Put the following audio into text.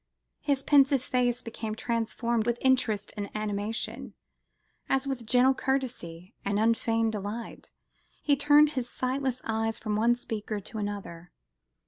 His pensive face became transformed with interest and animation, as with gentle courtesy and unfeigned delight he turned his sightless eyes from one speaker to another.